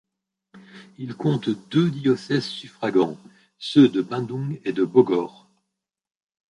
Il compte deux diocèses suffragants: ceux de Bandung et de Bogor.